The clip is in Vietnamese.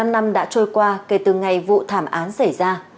một mươi năm năm đã trôi qua kể từ ngày vụ thảm án xảy ra